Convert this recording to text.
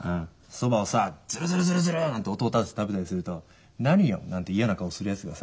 そばをさズルズルズルズルなんて音を立てて食べたりすると「何よ」なんて嫌な顔するやつがさ。